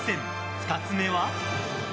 ２つ目は。